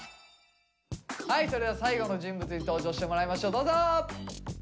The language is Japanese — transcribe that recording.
はいそれでは最後の人物に登場してもらいましょうどうぞ。